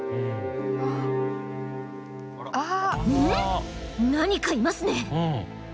何かいますね。